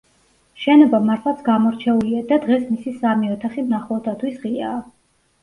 შენობა მართლაც გამორჩეულია და დღეს მისი სამი ოთახი მნახველთათვის ღიაა.